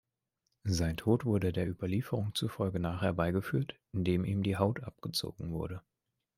Sein Tod wurde der Überlieferung zufolge nach herbeigeführt, indem ihm die Haut abgezogen wurde.